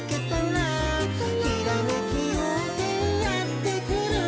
「ひらめきようせいやってくる」